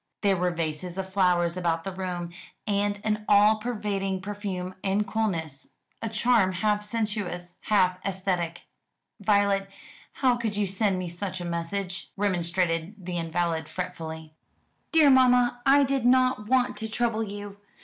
There were vases of flowers about the room, and an all pervading perfume and coolness a charm half sensuous, half aesthetic. "Violet, how could you send me such a message?" remonstrated the invalid fretfully. "Dear mamma, I did not want to trouble you.